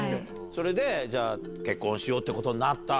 それで、じゃあ、結婚しようってことになった。